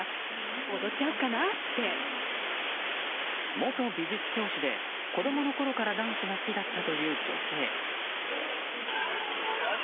元美術教師で、子供のころからダンスが好きだったという女性。